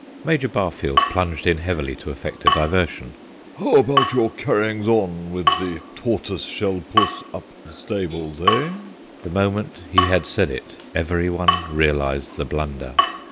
Major Barfield plunged in heavily to effect a diversion. "How about your carryings on with the tortoiseshell puss up at the stables, eh?" The moment he had said it every one realized the blunder.